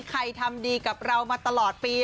ทำดีกับเรามาตลอดปี